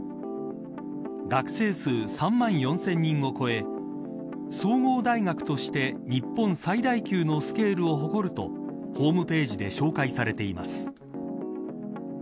学生数３万４０００人を超え総合大学として日本最大級のスケールを誇るとホームページで紹介されています。